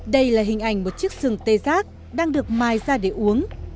đây là hình ảnh một chiếc sừng tê giác đang được mai ra để uống